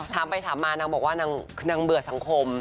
ถามไปถามมานางบอกว่านางเบื่อสังคม